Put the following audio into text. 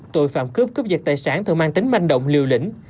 tội phạm cướp cướp giật tài sản thường mang tính manh động liều lĩnh